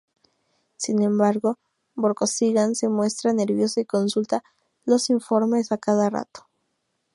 Sin embargo Vorkosigan se muestra nervioso y consulta los informes a cada rato.